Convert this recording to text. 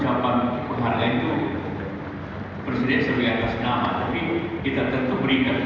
apa penyebabkan ada kesulitan